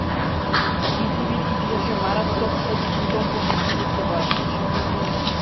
পৃথিবীর ইতিহাসে মারাত্মক সব ভূমিকম্প নথিভুক্ত করা হয়েছে।